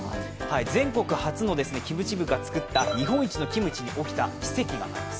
全国初のキムチ部が作った日本一のキムチに起きた奇跡があります。